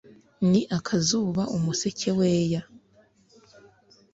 Ni akazuba umuseke weya